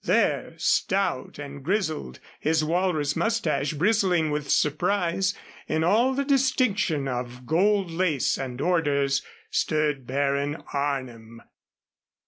There, stout and grizzled, his walrus mustache bristling with surprise, in all the distinction of gold lace and orders, stood Baron Arnim.